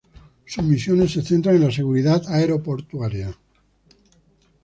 Sus misiones se centran en la seguridad aeroportuaria.